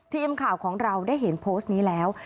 ทีมข่าวของเราได้เห็นโพสต์นี้แล้ว